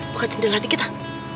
buka jendela dikit lah